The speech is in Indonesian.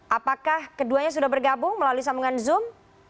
apakah keduanya sudah bergabung melalui sambungan zoom